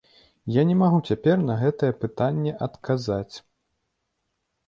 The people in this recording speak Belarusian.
Я не магу цяпер на гэтае пытанне адказаць.